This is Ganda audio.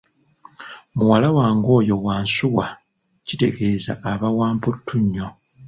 Muwala wange oyo wansuwa kitegeeza aba wa mputtu nnyo